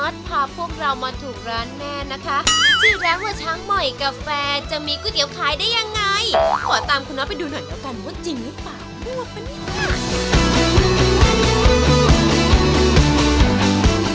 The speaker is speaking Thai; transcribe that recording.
เดี๋ยวนะคุณนทพาพวกเรามาถูกร้านแม่นะคะ